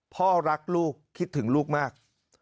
พ่อรักลูกคิดถึงลูกมาก